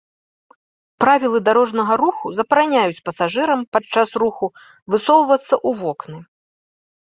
Правілы дарожнага руху забараняюць пасажырам падчас руху высоўвацца ў вокны.